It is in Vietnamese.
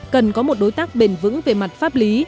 cần có một đối tác bền vững về mặt pháp lý